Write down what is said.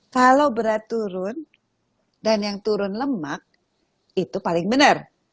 kalau berat turun dan yang turun lemak itu paling benar